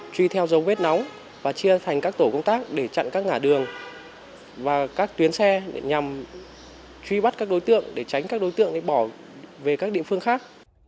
truy theo dấu vết nóng và chia thành các tổ công tác để chặn các ngã đường và các tuyến xe để nhằm truy bắt các đối tượng để tránh các đối tượng bỏ về các địa phương khác